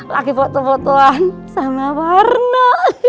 lagi foto fotoan sama warna